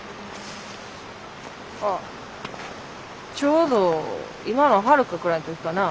ああちょうど今のはるかくらいの時かな